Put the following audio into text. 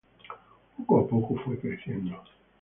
Poco a poco fue creciendo.